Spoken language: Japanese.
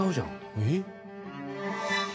えっ？